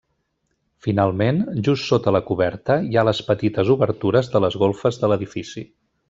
Finalment, just sota la coberta hi ha les petites obertures de les golfes de l'edifici.